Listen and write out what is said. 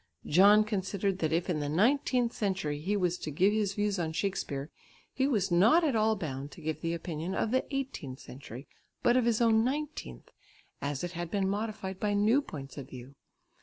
John considered that if in the nineteenth century he was to give his views on Shakespeare, he was not at all bound to give the opinion of the eighteenth century, but of his own nineteenth, as it had been modified by new points of view.